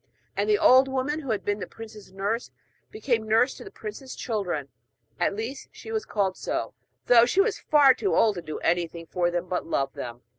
And the old woman who had been the prince's nurse became nurse to the prince's children at least she was called so; though she was far too old to do anything for them but love them.